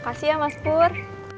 makasih ya mas pur